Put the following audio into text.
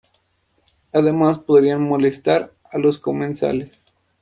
Además, podrían molestar a los comensales.